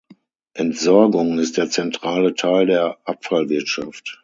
Entsorgung ist der zentrale Teil der Abfallwirtschaft.